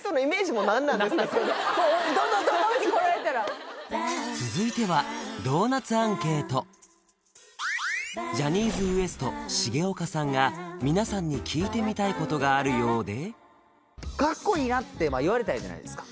ドンドンドンドン！って来られたら続いてはジャニーズＷＥＳＴ重岡さんが皆さんに聞いてみたいことがあるようでじゃないですか